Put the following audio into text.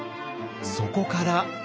そこから。